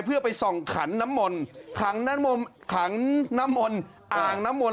เพื่อไปส่องขันน้ำมนขังน้ำมนอ่างน้ำมน